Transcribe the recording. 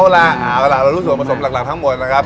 ล่ะอ่าละเรารู้สึกว่าผสมหลักหลักทั้งหมดนะครับ